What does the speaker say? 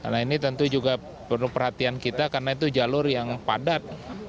nah ini tentu juga perlu perhatian kita karena itu jalur yang padat